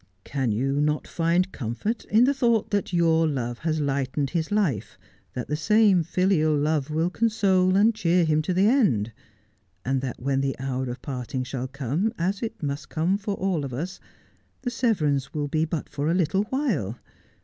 Can you not find comfort in the thought that your love has lightened his life, that the same filial love will console and cheer him to the end ; and that when the hour of parting shall come, as it must come to all of us, the severance will be but for a little while